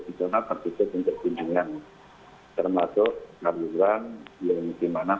itu para pekerja di jalanan harusnya untuk berpimpinan